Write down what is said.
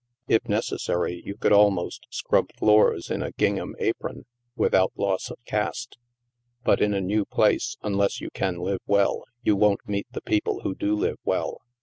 If necessary, you could almost scrub floors in a ging ham apron, without loss of caste. But in a new place, unless you can live well, you won't meet the people who do live well.